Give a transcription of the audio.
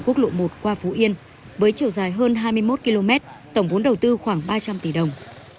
quốc lộ một qua phú yên với chiều dài hơn hai mươi một km tổng vốn đầu tư khoảng ba trăm linh tỷ đồng